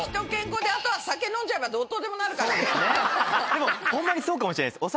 でもホンマにそうかもしれないです。